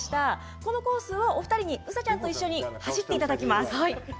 このコースをお二人にうさちゃんと一緒に走っていただきます。